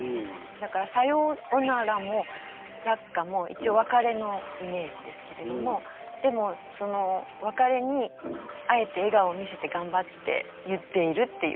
だから「さよおなら」も「落花」も一応別れのイメージですけれどもでもその別れにあえて笑顔を見せて頑張って言っているっていうそういうイメージです。